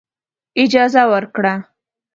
اجازه ورکړه.